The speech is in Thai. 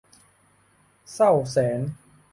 เศร้าแสน